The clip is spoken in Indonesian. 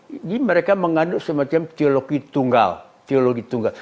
ini mereka mengandung semacam teologi tunggal